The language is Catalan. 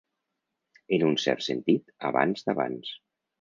En un cert sentit, abans d'abans.